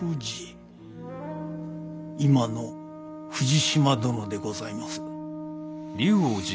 今の富士島殿でございます。